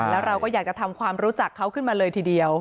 แล้วเราก็อยากจะทำความรู้จักเขาขึ้นมาเลยทีเดียว